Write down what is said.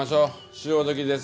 潮時です。